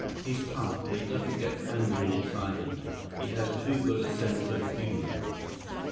He's tough, but he doesn't get angry and excited. He has too good a sense of humor."